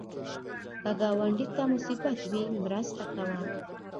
که ګاونډي ته مصیبت وي، مرسته کوه